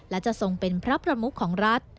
และจะทรงเป็นพระประมุขของรัฐ